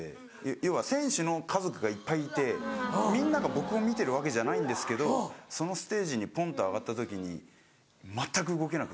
要は選手の家族がいっぱいいてみんなが僕を見てるわけじゃないんですけどそのステージにポンと上がった時に全く動けなく。